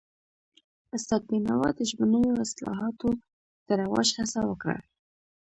استاد بینوا د ژبنیو اصطلاحاتو د رواج هڅه وکړه.